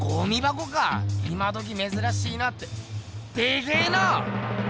今どきめずらしいなってでけえな！